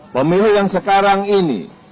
pemilu yang sekarang ini